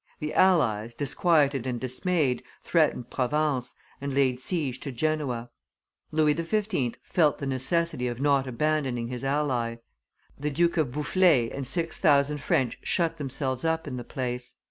The allies, disquieted and dismayed, threatened Provence, and laid siege to Genoa. Louis XV. felt the necessity of not abandoning his ally; the Duke of Boufflers and six thousand French shut themselves up in the place.